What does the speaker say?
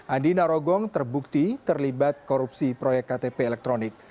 andi narogong terbukti terlibat korupsi proyek ktp elektronik